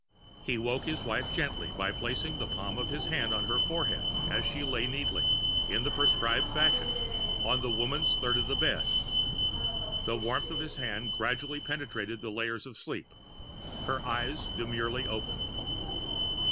He woke his wife gently, by placing the palm of his hand on her forehead as she lay neatly, in the prescribed fashion, on the Woman's Third of the bed. The warmth of his hand gradually penetrated the layers of sleep. Her eyes demurely opened.